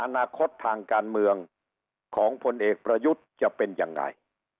อนาคตทางการเมืองของพลเอกประยุทธ์จะเป็นยังไง